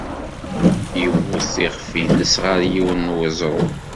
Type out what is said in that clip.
Iwet iɣef-nnes ɣer yiwen n weẓru.